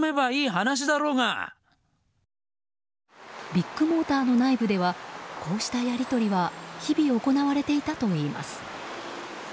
ビッグモーターの内部ではこうしたやり取りは日々、行われていたといいます。